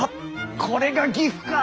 これが岐阜か！